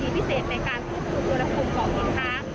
จากนั้นวัคซีนจะถูกย้ายบันถุลงในกล่องพิเศษ